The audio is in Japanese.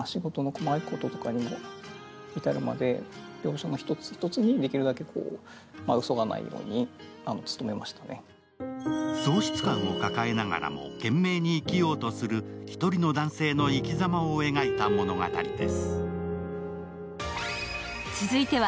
その先に祐治が見た景色とは喪失感を抱えながらも懸命に生きようとする１人の男性の生きざまを描いた物語です。